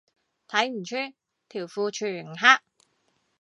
睇唔出，條褲全黑